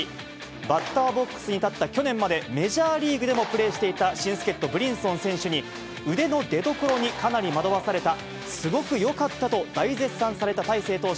バッターボックスに立った去年までメジャーリーグでもプレーしていた新助っと、ブリンソン選手に腕の出どころにかなり惑わされた、すごくよかったと大絶賛された大勢投手。